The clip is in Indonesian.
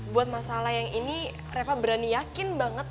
buat masalah yang ini reva berani yakin banget